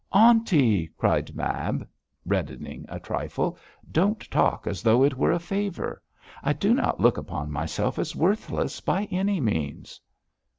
'Aunty!' cried Mab, reddening a trifle,'don't talk as though it were a favour. I do not look upon myself as worthless, by any means.'